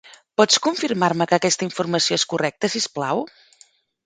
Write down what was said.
Pots confirmar-me que aquesta informació és correcta, si us plau?